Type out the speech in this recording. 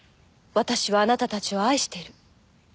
私はあなたたちを愛してる。